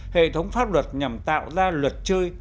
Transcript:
hệ thống pháp luật nhằm tạo ra luật chơi